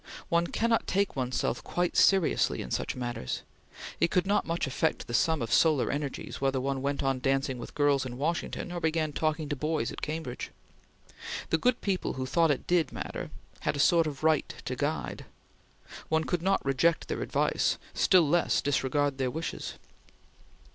One cannot take one's self quite seriously in such matters; it could not much affect the sum of solar energies whether one went on dancing with girls in Washington, or began talking to boys at Cambridge. The good people who thought it did matter had a sort of right to guide. One could not reject their advice; still less disregard their wishes.